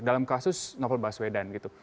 dalam kasus novel baswedan gitu